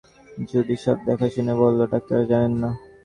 জুডি সব দেখেশুনে বলল, ডাক্তাররা জানে না।